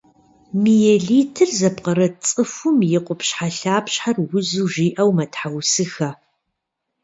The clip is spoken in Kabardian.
Миелитыр зыпкърыт цӏыкӏум и къупщхьэлъапщхьэр узу жиӏэу мэтхьэусыхэ.